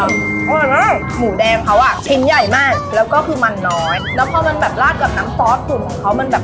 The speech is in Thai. เพราะว่าหมูแดงเขาอ่ะชิ้นใหญ่มากแล้วก็คือมันน้อยแล้วพอมันแบบลาดกับน้ำซอสสูตรของเขามันแบบ